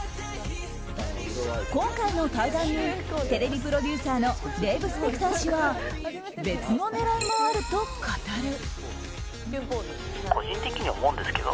今回の対談にテレビプロデューサーのデーブ・スペクター氏は別の狙いもあると語る。